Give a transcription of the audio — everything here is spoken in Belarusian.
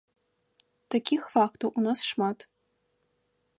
Такіх фактаў у нас шмат.